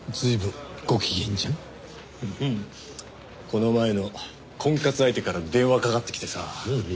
この前の婚活相手から電話かかってきてさ。